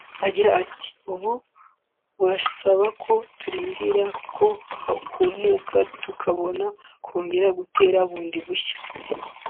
Agira ati “Ubu birasaba ko turindira ko humuka tukabona kongera gutera bundi bushya